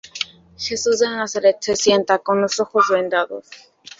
Jesús de Nazaret se sienta, con los ojos vendados.